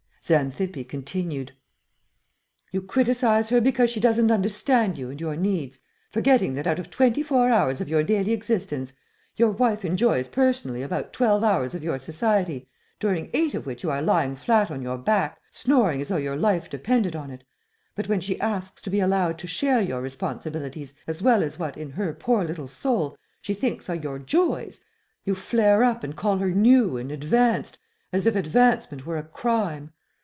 Xanthippe continued. "You criticise her because she doesn't understand you and your needs, forgetting that out of twenty four hours of your daily existence your wife enjoys personally about twelve hours of your society, during eight of which you are lying flat on your back, snoring as though your life depended on it; but when she asks to be allowed to share your responsibilities as well as what, in her poor little soul, she thinks are your joys, you flare up and call her 'new' and 'advanced,' as if advancement were a crime.